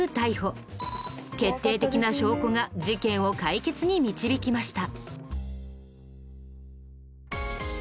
決定的な証拠が事件を解決に導きました。